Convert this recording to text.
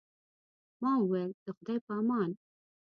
ما وویل، د خدای په امان.